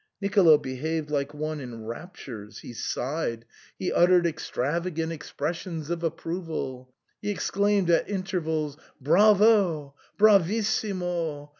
Nicolo behaved like one in raptures. He sighed ; he 134 SIGNOR FORMICA. uttered extravagant expressions of approval; he ex claimed at intervals, ^^ Bravo! Bravissimo